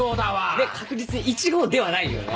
ねっ確実に１号ではないよね。